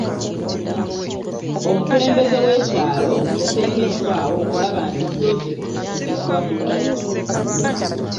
Omukulembeze w'ekyalo yateekeddwawo okulaba nti pulojekiti eggwa bulungi.